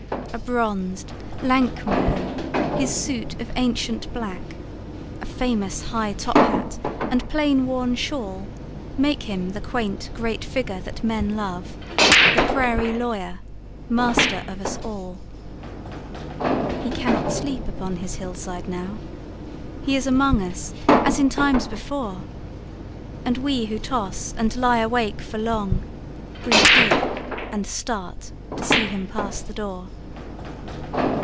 A bronzed, lank man! His suit of ancient black,A famous high top hat and plain worn shawlMake him the quaint great figure that men love, The prairie lawyer, master of us all. He cannot sleep upon his hillside now. He is among us:—as in times before! And we who toss and lie awake for long, Breathe deep, and start, to see him pass the door.